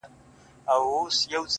زه نه كړم گيله اشــــــــــــنا”